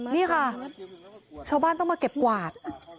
นี่ค่ะชาวบ้านต้องมาเก็บกวาด